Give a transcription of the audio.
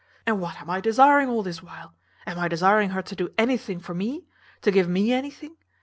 And what am I desiring all this while? Am I desiring her to do anything for me? to give me anything?